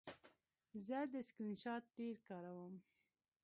زه د سکرین شاټ ډېر کاروم.